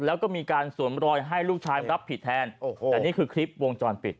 แล้วก็มีการสวมรอยให้ลูกชายรับผิดแทนโอ้โหแต่นี่คือคลิปวงจรปิด